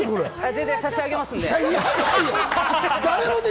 全然、差し上げますんで。